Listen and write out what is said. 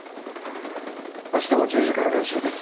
あしたも１０時から練習です